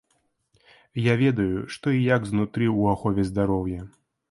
Я ведаю, што і як знутры ў ахове здароўя.